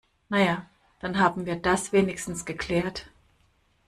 Na ja, dann haben wir das wenigstens geklärt.